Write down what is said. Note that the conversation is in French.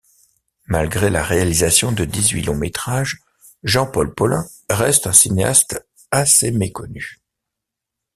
Malgré la réalisation de dix-huit longs métrages, Jean-Paul Paulin reste un cinéaste assez méconnu.